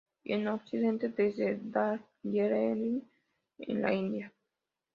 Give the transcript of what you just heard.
Y en occidente desde Darjeeling, en la India.